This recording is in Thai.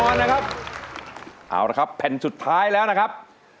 ใช้ครับใช้นะครับ